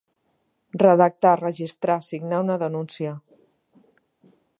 Redactar, registrar, signar una denúncia.